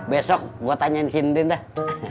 besok gua tanyain sindin dah